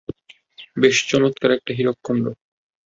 বেশ চমৎকার একটা হীরকখন্ড!